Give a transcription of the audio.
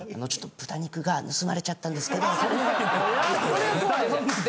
「豚肉盗まれちゃったんですけど」